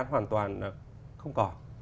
hoàn toàn không còn